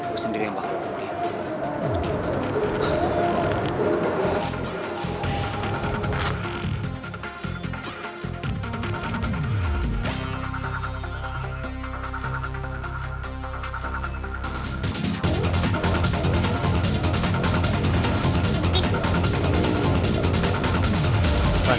gue sendiri yang bangun